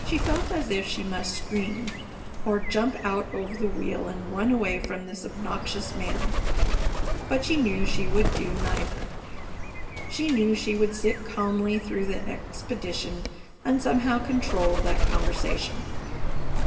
She felt as if she must scream or jump out over the wheel and run away from this obnoxious man, but she knew she would do neither. She knew she would sit calmly through the expedition and somehow control that conversation.